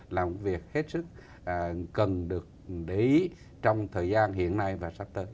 là một việc hết sức cần được để ý trong thời gian hiện nay và sắp tới